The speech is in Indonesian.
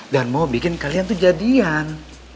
dan mau bikin kalian tuh jadian